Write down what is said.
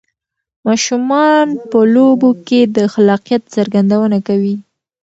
ماشومان په لوبو کې د خلاقیت څرګندونه کوي.